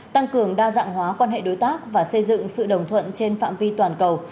tăng cường đa dạng hóa quan hệ đối tác và xây dựng sự đồng thuận trên phạm vi toàn cầu